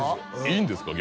いいんですか？